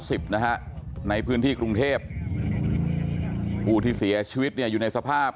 ในพื้นที่กรุงเทพผู้ที่เสียชีวิตเนี่ยอยู่ในสภาพ